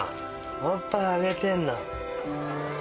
おっぱいあげてんの。